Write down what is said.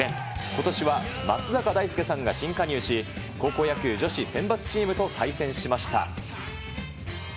ことしは松坂大輔さんが新加入し、高校野球女子選抜チームと対戦しました。